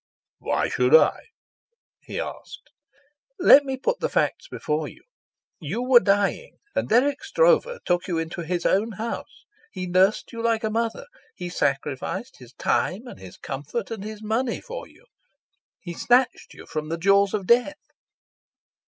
"Why should I?" he asked. "Let me put the facts before you. You were dying, and Dirk Stroeve took you into his own house. He nursed you like a mother. He sacrificed his time and his comfort and his money for you. He snatched you from the jaws of death."